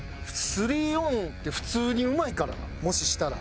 ３オンって普通にうまいからなもししたら。